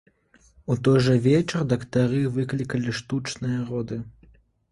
У той жа вечар дактары выклікалі штучныя роды.